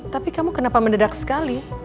tapi kamu kenapa mendadak sekali